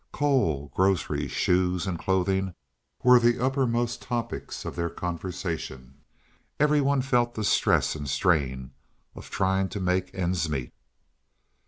Coal, groceries, shoes, and clothing were the uppermost topics of their conversation; every one felt the stress and strain of trying to make ends meet.